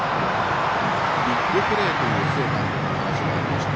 ビッグプレーという須江監督の話もありました。